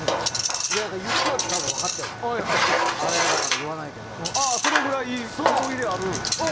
言っちゃうと分かっちゃうからそれぐらい思い入れのある。